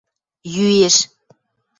Йӱэш.